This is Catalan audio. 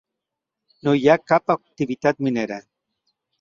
No hi cap activitat minera.